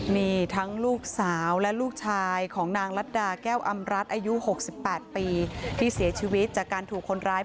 นี่ทั้งลูกสาวและลูกชายของนางรัตดาแก้วอำรัฐอายุหกสิบแปดปีที่เสียชีวิตจากการถูกออกมากเลยนะครับ